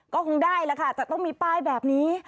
ก็คงได้แล้วค่ะจะต้องมีป้ายแบบนี้